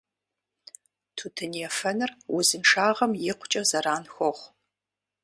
Тутын ефэныр узыншагъэм икъукӀэ зэран хуохъу.